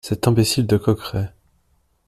Cet imbécile de Coqueret !